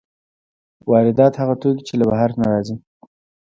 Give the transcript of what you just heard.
واردات هغه توکي دي چې له بهر نه راځي.